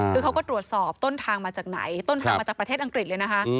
คือเขาก็ตรวจสอบต้นทางมาจากไหนต้นทางมาจากประเทศอังกฤษเลยนะคะ